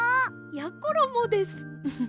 やころもです。